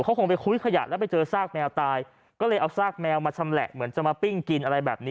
เราไปปิ่งกินบ้าน